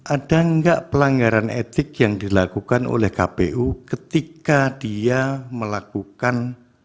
ada enggak pelanggaran etik yang dilakukan oleh kpu ketika dia melakukan